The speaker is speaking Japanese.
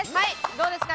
どうですか？